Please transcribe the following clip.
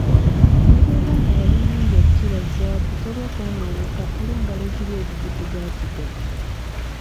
Ne bw’eba nga yali nnungi okukira zzaabu terwa kw'onooneka olw'engalo ziri ezigitigaatiga.